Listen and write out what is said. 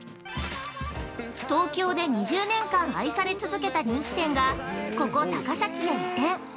東京で２０年間愛され続けた人気店が、ここ高崎へ移転。